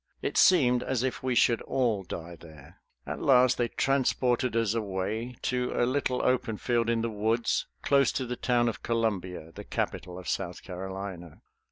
It seemed as if we should all die there. At last they transported us away to a little open field in the woods, close to the town of Columbia, the capital of South Carolina.